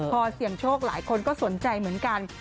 พอเสี่ยงโชคหลายคนก็สนใจเหมือนกัน